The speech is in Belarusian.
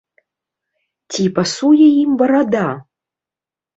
Ці пасуе ім барада?